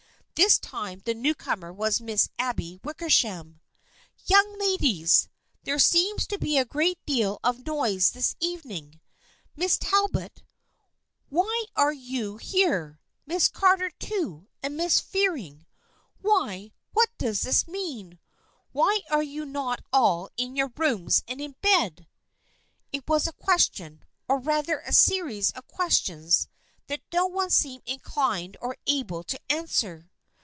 This time the newcomer was Miss Abby Wickersham. " Young ladies, there seems to be a great deal of noise this evening. Miss Talbot, why are you here ? Miss Carter, too, and Miss Fearing ! Why, what does this mean ? Why are you not all in your rooms and in bed ?" It was a question, or rather a series of ques tions, that no one seemed inclined or able to an swer.